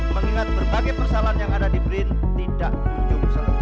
mengingat berbagai persalahan yang ada di brin tidak tunjuk selalu